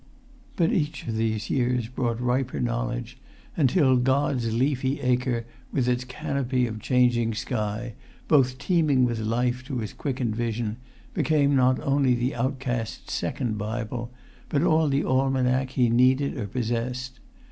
But each of these years brought riper knowledge, until God's leafy acre, with its canopy of changing sky, both teeming with life to his quickened vision, became not only the outcast's second Bible, but all the almanac he needed or possessed.